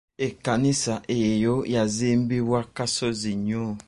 Kkanisa eyo yazimbibwa ku kasozi nnyo.